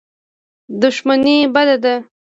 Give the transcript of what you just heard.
دښمني بده ده.